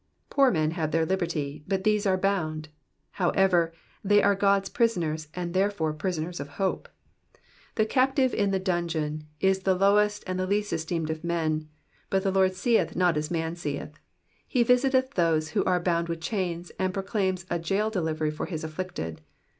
'"' Poor men have their liberty, but these are bound ; however, they are 6od*s prisoners, and, therefore, prisoners of hope. The captive in the dungeon is the lowest and least esteemed of men. but the Lord seeth not as man seeth ; he visited those who are bound with chains, and proclaims a jail delivery for his afilicted.